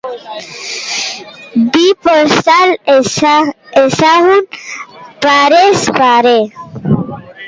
Bi postal ezagun parez pare.